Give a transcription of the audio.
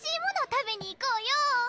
食べに行こうよ！